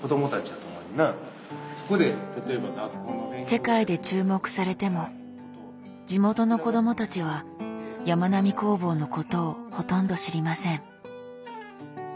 世界で注目されても地元の子どもたちはやまなみ工房のことをほとんど知りません。